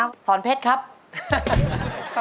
เอาละต้องมาฟังคณะกรรมการนะลูกน้ำ